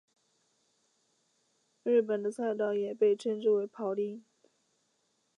日本的菜刀也被称之为庖丁。